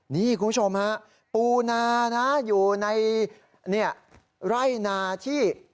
นี่คุณผู้ชมฮะปูนานะอยู่ในไร่นาที่